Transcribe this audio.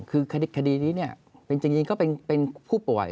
คือคดีนี้จริงก็เป็นผู้ป่วย